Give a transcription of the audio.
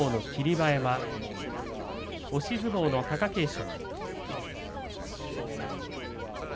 馬山押し相撲の貴景勝。